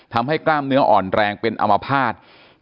กล้ามเนื้ออ่อนแรงเป็นอมภาษณ์